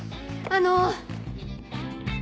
あの。